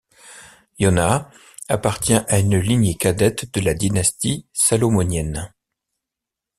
Yonas appartient à une lignée cadette de la dynastie Salomonienne.